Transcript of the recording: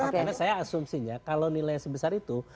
karena saya asumsinya kalau nilai sebesar itu